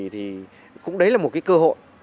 thì cũng đấy là một cái cơ hội